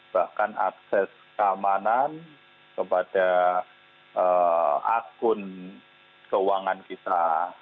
bahkan akses keamanan kepada akun keuangan kita